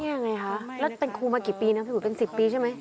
นี่อย่างไรคะแล้วเป็นครูมากี่ปีนะเป็น๑๐ปีใช่ไหม